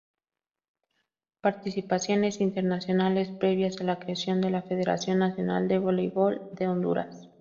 Participaciones internacionales previas a la creación de la Federación Nacional de Voleibol de Honduras.